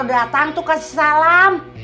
orang kalau datang tuh kasih salam